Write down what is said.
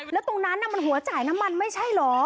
แล้วตรงนั้นมันหัวจ่ายน้ำมันไม่ใช่เหรอ